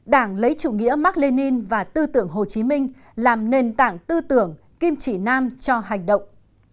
đảng lấy chủ nghĩa mark lenin và tư tưởng hồ chí minh làm nền tảng tư tưởng kim chỉ nam cho hành động